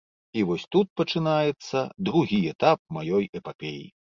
І вось тут пачынаецца другі этап маёй эпапеі.